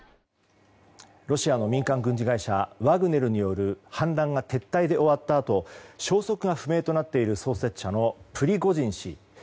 ロシアの民間軍事会社ワグネルによる反乱が撤退で終わったあと消息が不明となっている創設者のプリゴジン氏。